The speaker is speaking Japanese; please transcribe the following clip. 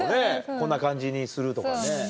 こんな感じにするとかね。